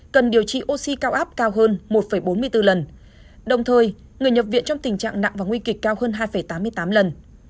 cần điều trị oxy cao áp cao hơn một bốn mươi bốn lần đồng thời người nhập viện trong tình trạng nặng và nguy kịch cao hơn hai tám mươi tám lần